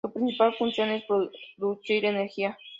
Su principal función es producir energía.